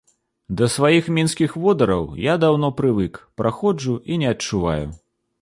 Да сваіх мінскіх водараў я даўно прывык, праходжу і не адчуваю.